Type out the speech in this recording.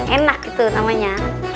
enak itu namanya